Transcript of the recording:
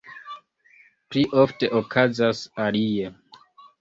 Pli ofte okazas alie.